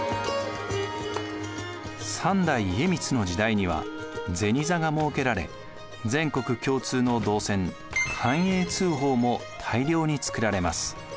３代家光の時代には銭座が設けられ全国共通の銅銭寛永通宝も大量につくられます。